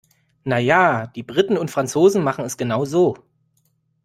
Na ja, die Briten und Franzosen machen es genau so.